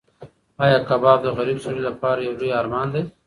ایا کباب د غریب سړي لپاره یو لوی ارمان دی؟